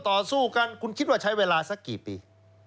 ต่อสู้กันคุณคิดว่าใช้เวลาสักกี่ปี